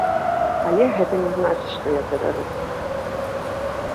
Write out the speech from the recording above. Але гэта не значыць, што я тэрарыст.